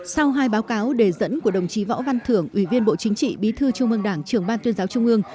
sau hai báo cáo đề dẫn của đồng chí võ văn thường quỷ viên bộ chính trị bí thư trung mương đảng trưởng ban tuyên giáo trung mương